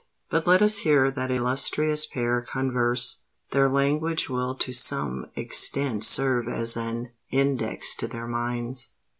But let us hear that illustrious pair converse: their language will to some extent serve as an index to their minds.